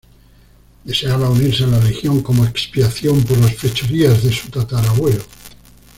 Deseaba unirse a la Legión como expiación por las fechorías de su tatarabuelo.